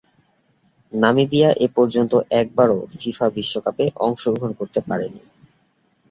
Namibia এপর্যন্ত একবারও FIFA বিশ্বকাপে অংশগ্রহণ করতে পারেনি।